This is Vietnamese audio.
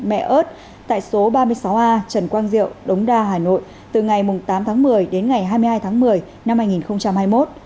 mẹ ớt tại số ba mươi sáu a trần quang diệu đống đa hà nội từ ngày tám tháng một mươi đến ngày hai mươi hai tháng một mươi năm hai nghìn hai mươi một